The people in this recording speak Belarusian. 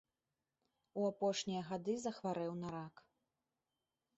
У апошнія гады захварэў на рак.